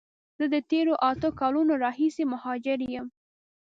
زه د تیرو اته کالونو راهیسی مهاجر یم.